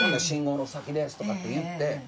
信号の先ですとかって言って。